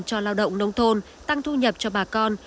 cho lao động nông thôn tăng thu nhập cho bà con